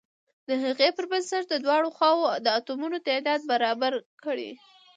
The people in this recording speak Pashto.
د هغې پر بنسټ د دواړو خواو د اتومونو تعداد برابر کړئ.